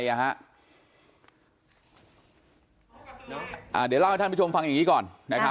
เดี๋ยวเล่าให้ท่านผู้ชมฟังอย่างนี้ก่อน